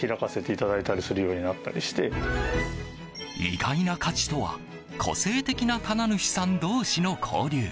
意外な価値とは個性的な棚主さん同士の交流。